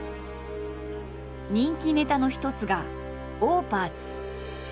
人気ネタの一つが「オーパーツ」。